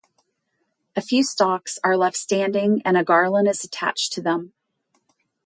A few stalks are left standing and a garland is attached to them.